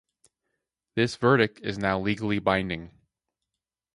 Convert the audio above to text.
This verdict is now legally binding.